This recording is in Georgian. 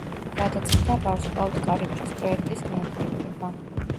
გადაწყდა „ვარსკვლავთკარიბჭის“ პროექტის გააქტიურება.